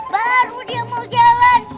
baru dia mau jalan